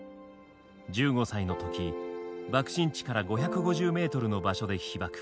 １５歳のとき爆心地から５５０ｍの場所で被爆。